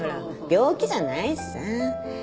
病気じゃないしさ。